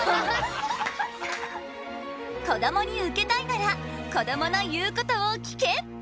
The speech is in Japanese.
こどもにウケたいならこどもの言うことを聞け！